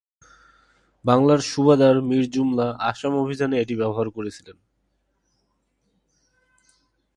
বাংলার সুবাদার মীর জুমলা আসাম অভিযানে এটি ব্যবহার করেছিলেন।